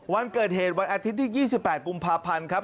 วันเกิดเหตุวันอาทิตย์ที่๒๘กุมภาพันธ์ครับ